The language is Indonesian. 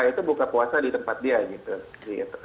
itu buka puasa di tempat dia gitu